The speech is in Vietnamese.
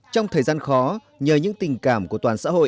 trong thời gian khó nhờ những tình cảm của toàn xã hội